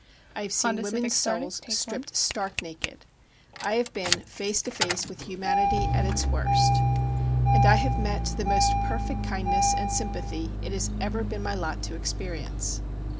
I have seen women's souls stripped stark naked. I have been face to face with humanity at its worst. And I have met the most perfect kindness and sympathy it has ever been my lot to experience.